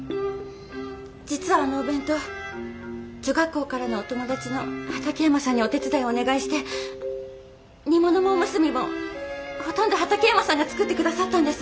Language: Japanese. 実はあのお弁当女学校からのお友達の畠山さんにお手伝いをお願いして煮物もおむすびもほとんど畠山さんが作って下さったんです。